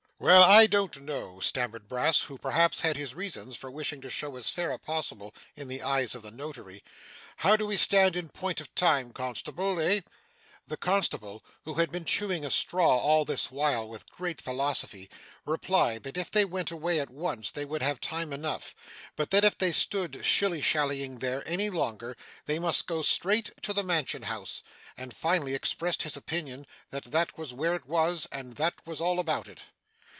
'Well, I don't know,' stammered Brass, who perhaps had his reasons for wishing to show as fair as possible in the eyes of the notary. 'How do we stand in point of time, constable, eh?' The constable, who had been chewing a straw all this while with great philosophy, replied that if they went away at once they would have time enough, but that if they stood shilly shallying there, any longer, they must go straight to the Mansion House; and finally expressed his opinion that that was where it was, and that was all about it.